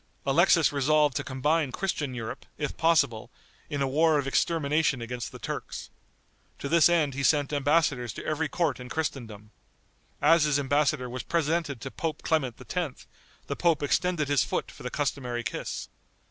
Alexis resolved to combine Christian Europe, if possible, in a war of extermination against the Turks. To this end he sent embassadors to every court in Christendom. As his embassador was presented to Pope Clement X., the pope extended his foot for the customary kiss.